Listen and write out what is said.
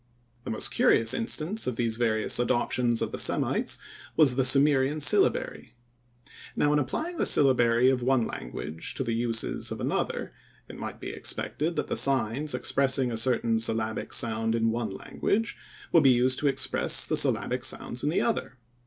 The most curious instance in these various adoptions of the Semites was the Sumerian syllabary. Now in applying the syllabary of one language to the uses of another, it might be expected that the signs expressing a certain syllabic sound in one language would be used to express the syllabic sounds in the other.